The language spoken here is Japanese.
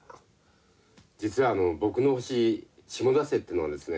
実は僕の星シモダ星っていうのはですね